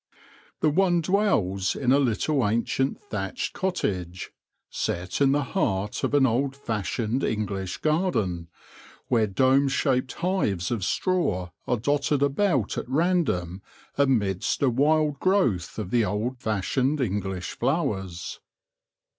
The one dwells in a little ancient thatched cottage, set in the heart of an old fashioned English garden, where dome shaped hives of straw are dotted about at random amidst a wild growth of the old fashioned AT THE CITY GATES 35 English flowers.